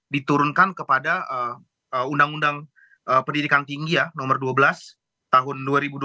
diturunkan kepada undang undang pendidikan tinggi ya nomor dua belas tahun dua ribu dua puluh